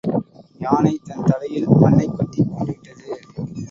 யானை தன் தலையில் மண்ணைக் கொட்டிக் கொண்டு விட்டது.